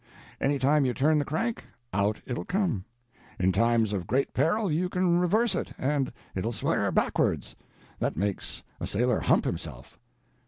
Any time you turn the crank, out it'll come. In times of great peril, you can reverse it, and it'll swear backwards. That makes a sailor hump himself!"